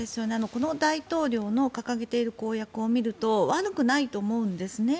この大統領の掲げている公約を見ると悪くないと思うんですね。